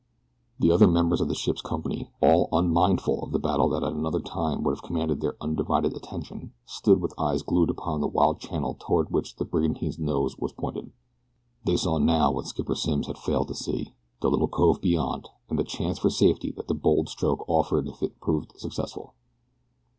The other members of the ship's company, all unmindful of the battle that at another time would have commanded their undivided attention, stood with eyes glued upon the wild channel toward which the brigantine's nose was pointed. They saw now what Skipper Simms had failed to see the little cove beyond, and the chance for safety that the bold stroke offered if it proved successful.